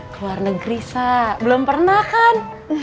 keluar negeri sa belum pernah kan